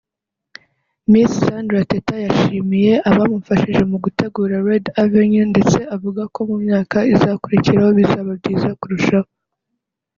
Miss Sandra Teta yashimiye abamufashije mu gutegura ‘Red Avenue’ ndetse avuga ko mu myaka izakurikiraho bizaba byiza kurushaho